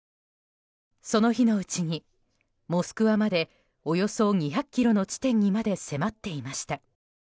その日のうちにモスクワまでおよそ２００ｋｍの地点にまで迫っていました。